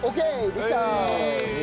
できた！